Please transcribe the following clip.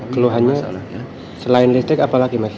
keluhannya selain listrik apa lagi mas